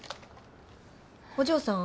お嬢さん。